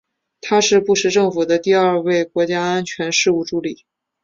他是布什政府的第二位国家安全事务助理。